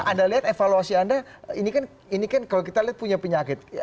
anda lihat evaluasi anda ini kan kalau kita lihat punya penyakit